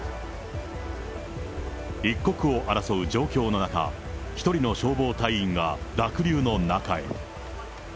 一刻を争う状況の中、１人の消防隊員が、濁流の中へ。